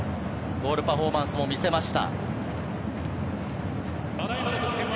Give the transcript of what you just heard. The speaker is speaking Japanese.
ゴールパフォーマンスも見せました。